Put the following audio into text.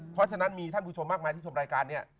เพราะฉะนั้นมีท่านผู้ชมมากมายที่ชมรายการเนี่ย